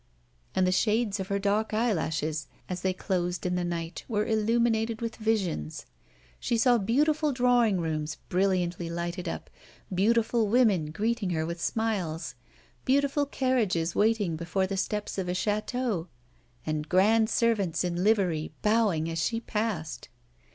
And the shades of her dark eyelashes, as they closed in the night, were illuminated with visions. She saw beautiful drawing rooms brilliantly lighted up, beautiful women greeting her with smiles, beautiful carriages waiting before the steps of a château, and grand servants in livery bowing as she passed.